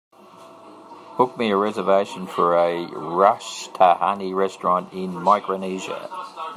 Book me a reservation for a rajasthani restaurant in Micronesia